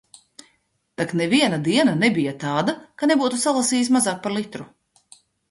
Tak neviena diena nebija tāda, ka nebūtu salasījis mazāk par litru.